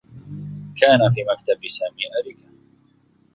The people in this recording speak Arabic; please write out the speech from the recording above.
كان في مكتب سامي أريكة.